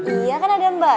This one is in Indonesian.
iya kan ada mbak